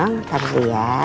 ntar dulu ya